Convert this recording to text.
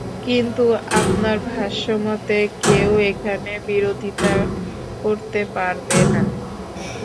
কিন্তু আপনার ভাষ্যমতে কেউ এখানে বিরোধিতা করতে পারবে না।